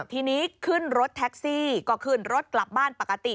ทีนี้ขึ้นรถแท็กซี่ก็ขึ้นรถกลับบ้านปกติ